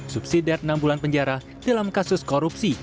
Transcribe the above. subsidi dari enam bulan penjara dalam kasus korupsi